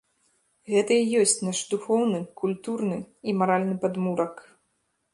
Гэта і ёсць наш духоўны, культурны і маральны падмурак.